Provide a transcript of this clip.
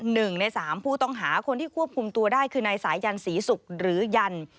๑ใน๓ผู้ต้องหาคนที่ควบคุมตัวได้คือในสายยันธ์ศรีศุกร์หรือยันธ์